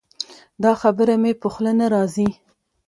دا خبره مې په خوله نه راځي.